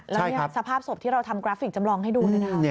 และสภาพศพที่เราทำกราฟิกจำลองให้ดู